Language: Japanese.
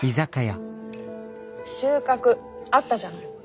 収穫あったじゃない。